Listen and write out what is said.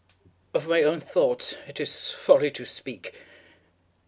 Of my own thoughts it is folly to speak.